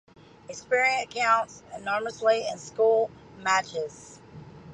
Experience counts enormously in school matches.